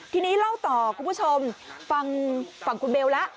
ทีนี้เล่าต่อคุณผู้ชมฟังฝั่งคุณเบลแล้ว